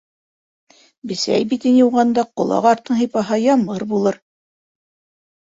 Бесәй битен йыуғанда ҡолаҡ артын һыйпаһа, ямғыр булыр.